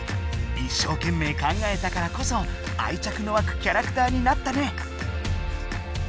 一生けんめい考えたからこそ愛着のわくキャラクターになったね！